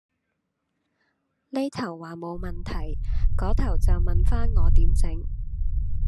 呢頭話冇問題，嗰頭就問返我點整